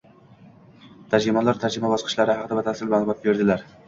Tarjimonlar tarjima bosqichlari haqida batafsil ma’lumot berdilar